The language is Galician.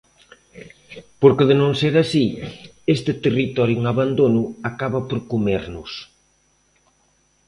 Porque de non ser así, este territorio en abandono acaba por comernos.